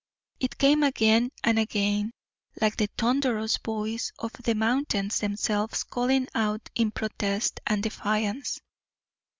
It came again and again, like the thunderous voice of the mountains themselves calling out in protest and defiance.